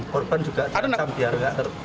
korban juga terancam biar nggak ter